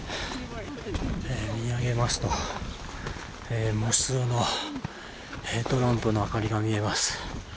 見上げますと無数のヘッドランプの明かりが見えます。